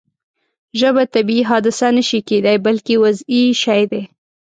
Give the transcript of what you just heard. ژبه طبیعي حادثه نه شي کېدای بلکې وضعي شی دی.